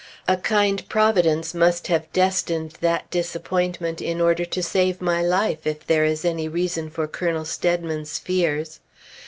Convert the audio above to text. A kind Providence must have destined that disappointment in order to save my life, if there is any reason for Colonel Steadman's fears.